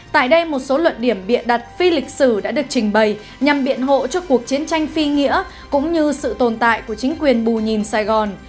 tại đây một số luận điểm biện đặt phi lịch sử đã được trình bày nhằm biện hộ cho cuộc chiến tranh phi nghĩa cũng như sự tồn tại của chính quyền bù nhìn sài gòn